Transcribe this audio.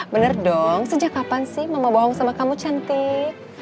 bener dong sejak kapan sih mama bohong sama kamu cantik